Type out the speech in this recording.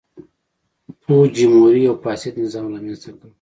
فوجیموري یو فاسد نظام رامنځته کړ.